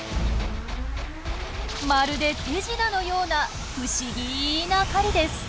まるで手品のような不思議な狩りです。